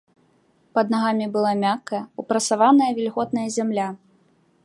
Пад нагамі была мяккая, упрасаваная, вільготная зямля.